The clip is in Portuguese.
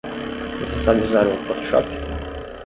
Você sabe usar o Photoshop?